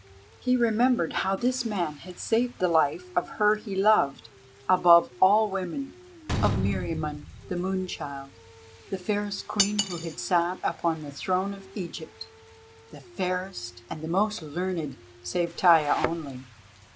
He remembered how this man had saved the life of her he loved above all women—of Meriamun, the moon child, the fairest queen who had sat upon the throne of Egypt, the fairest and the most learned, save Taia only.